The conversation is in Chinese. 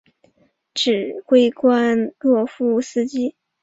指挥官若乌凯夫斯基与科涅茨波尔斯基带兵至楚措拉作战。